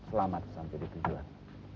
selamat sampai di pijuan